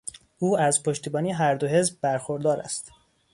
او از پشتیبانی هر دو حزب برخوردار است.